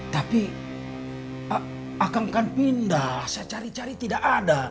tapi akan pindah saya cari cari tidak ada